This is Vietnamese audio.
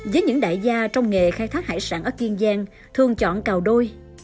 với những đại gia trong nghề khai thác hải sản ở kiên giang thường chọn cào đôi